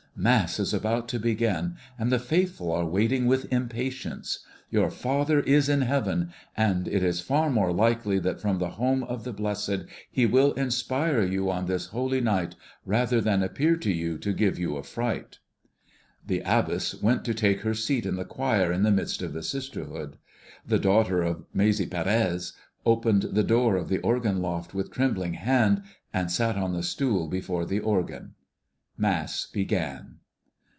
Mass is about to begin, and the faithful are waiting with impatience. Your father is in heaven; and it is far more likely that from the home of the blessed he will inspire you on this holy night rather than appear to you to give you a fright." The abbess went to take her seat in the choir in the midst of the sisterhood. The daughter of Maese Pérez opened the door of the organ loft with trembling hand, and sat on the stool before the organ. Mass began.